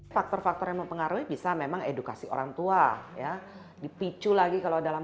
faktor faktor yang mempengaruhi bisa memang edukasi orangtua ya dipicu lagi kalau dalam